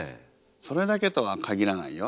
それだけとは限らないよ。